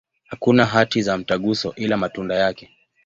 Hakuna hati za mtaguso, ila matunda yake.